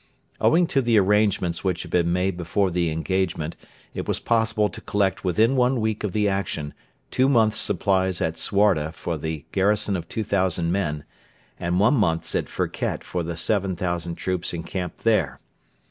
Owing to the arrangements which had been made before the engagement it was possible to collect within one week of the action two months' supplies at Suarda for the garrison of 2,000 men, and one month's at Firket for the 7,000 troops encamped there.